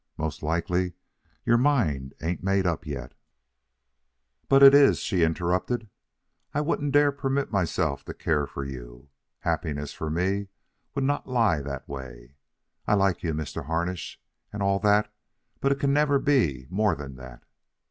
Most likely your mind ain't made up yet " "But it is," she interrupted. "I wouldn't dare permit myself to care for you. Happiness, for me, would not lie that way. I like you, Mr. Harnish, and all that, but it can never be more than that."